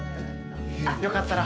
よかったら。